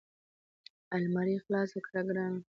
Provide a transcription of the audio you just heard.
المارۍ خلاصه کړه ګرانه !